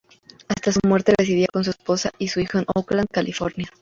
Hasta su muerte residía con su esposa y un hijo en Oakland, California.